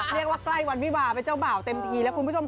เรียกว่าใกล้วันวิบาป์เป็นเจ้าเหม่าเต็มที่เลยคุณผู้ชมคะ